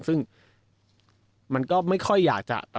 ซึ่งมันก็ไม่ค่อยอยากจะ